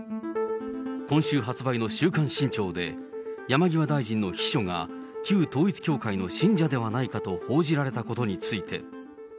今週発売の週刊新潮で、山際大臣の秘書が、旧統一教会の信者ではないかと報じられたことについて。